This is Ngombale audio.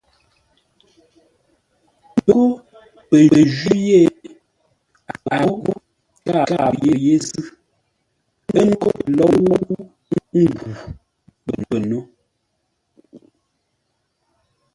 Pə́ ghó pə́ jwî yé, a ghó kâa pə́ yé zʉ́, ə́ ngó pə lôu ngu pə́ nó.